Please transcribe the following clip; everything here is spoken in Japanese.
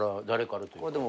誰から。